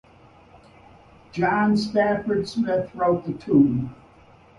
John Stafford Smith wrote the tune.